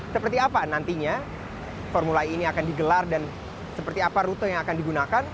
seperti apa nantinya formula e ini akan digelar dan seperti apa rute yang akan digunakan